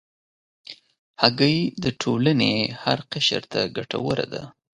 هګۍ د ټولنې هر قشر ته ګټوره ده.